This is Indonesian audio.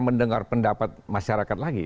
mendengar pendapat masyarakat lagi